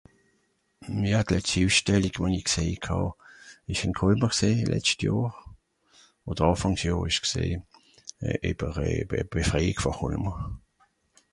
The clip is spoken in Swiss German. Ja d'letschti Üssstellig wa-n-i gsèit hàà ìsch ìn Kolmer gsìì letscht Johr ùnd Àfàngs Johr ìsch's gsìì. Euh... ìbber euh... Befrèig vo Cholmer.